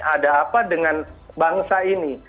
ada apa dengan bangsa ini